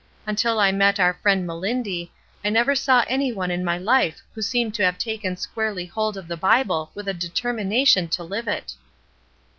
Until I met our friend Mehndy I never saw any one in my life who seemed to have taken squarely hold of the Bible with a determination to hve it."